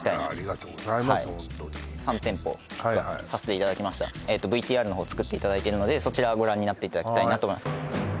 ホントに３店舗ピックアップさせていただきましたＶＴＲの方つくっていただいてるのでそちらをご覧になっていただきたいなと思います